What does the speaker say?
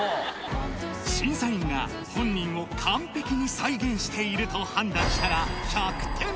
審査員が本人を完璧に再現していると判断したら１００点。